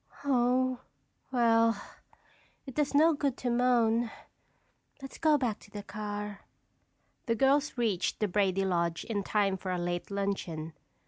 "Oh, well, it does no good to moan. Let's go back to the car." The girls reached the Brady lodge in time for a late luncheon.